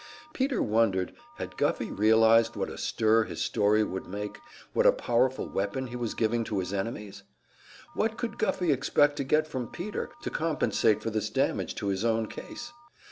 Peter wondered, had Guffey realized what a stir his story would make, what a powerful weapon he was giving to his enemies? What could Guffey expect to get from Peter, to compensate for this damage to his own case?